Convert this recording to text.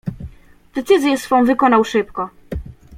"Decyzję swą wykonał szybko."